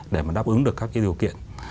để mà đáp ứng được các cái điều kiện